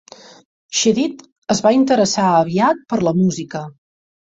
Chedid es va interessar aviat per la música.